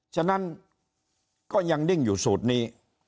ฉะนั้นก็ยังดิ้งอยู่สูตรนี้